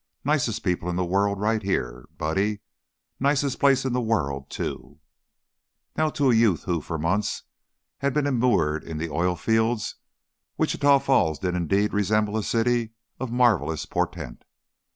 Nicest people in the world right here, Buddy; nicest place in the world, too!" Now to a youth who, for months, had been immured in the oil fields, Wichita Falls did indeed resemble a city of marvelous portent.